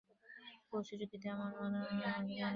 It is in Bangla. পৌঁছে যদি যেতামও, ম্যান্দ্রাকোসের অর্ধেক মানুষকে ওরা মেরে ফেলত!